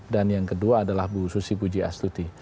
dan yang kedua adalah bu susi puji astuti